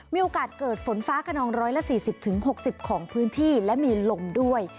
มีโอกาสเกิดฝนฟ้าขนอง๑๔๐๖๐ของพื้นที่และมีลมด้วย